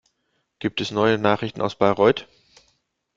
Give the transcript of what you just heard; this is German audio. Gibt es neue Nachrichten aus Bayreuth?